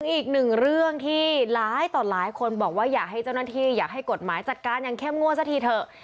อีกหนึ่งเรื่องที่หลายต่อหลายคนบอกว่าอยากให้เจ้าหน้าที่อยากให้กฎหมายจัดการอย่างเข้มงวดซะทีเถอะ